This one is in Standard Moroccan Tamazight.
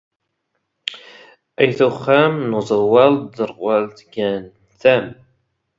ⴰⵢⵜ ⵓⵅⴰⵎ ⵏ ⵓⵥⵔⵡⴰⵍ ⴷ ⵜⵥⵔⵡⴰⵍⵜ ⴳⴰⵏ ⵜⴰⵎ.